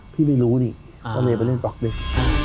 พี่ไม่รู้นี่ว่าเมย์ไปเล่นก๊อกด้วย